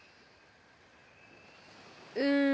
うん。